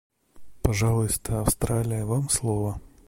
Пожалуйста, Австралия, вам слово.